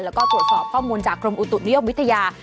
แล้วก็ตรวจสอบข้อมูลจากกรมอุตุนิยมวิทยา